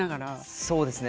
そうですね。